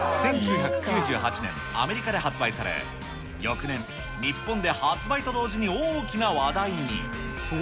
１９９８年、アメリカで発売され、翌年、日本で発売と同時に大きな話題に。